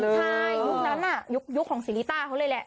ใช่ยุคนั้นยุคของซีริต้าเขาเลยแหละ